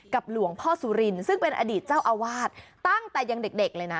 หลวงพ่อสุรินซึ่งเป็นอดีตเจ้าอาวาสตั้งแต่ยังเด็กเลยนะ